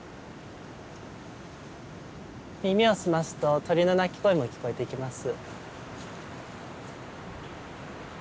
耳を澄ますと鳥の鳴き声も聞こえてきます。